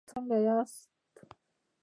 څنګه یاست؟